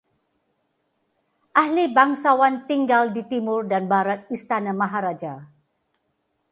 Ahli bangsawan tinggal di timur dan barat istana maharaja